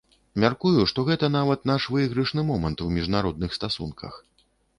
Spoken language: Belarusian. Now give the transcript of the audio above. Мяркую, што гэта нават наш выйгрышны момант у міжнародных стасунках.